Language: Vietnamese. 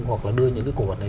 hoặc là đưa những cái cổ vật này